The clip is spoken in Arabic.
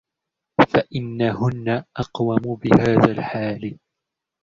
فَإِنَّهُنَّ أَقُومُ بِهَذَا الْحَالِ